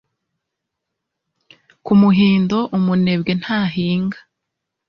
ku muhindo, umunebwe ntahinga